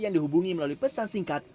yang dihubungi melalui pesan singkat